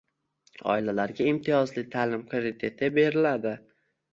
Oilalarga imtiyozli taʼlim krediti beriladi..